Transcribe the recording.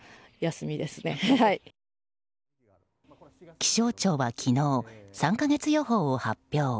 気象庁は昨日３か月予報を発表。